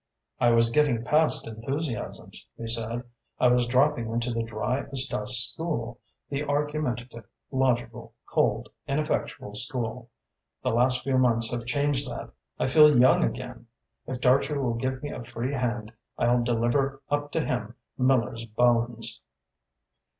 "I was getting past enthusiasms," he said; "I was dropping into the dry as dust school the argumentative, logical, cold, ineffectual school. The last few months have changed that. I feel young again. If Dartrey will give me a free hand, I'll deliver up to him Miller's bones."